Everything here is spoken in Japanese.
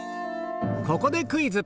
ここでクイズ。